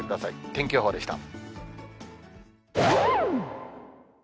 天気予報でした。